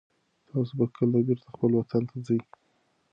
تاسو به کله بېرته خپل وطن ته ځئ؟